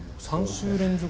３週連続。